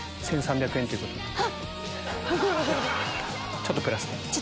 ちょっとプラスで。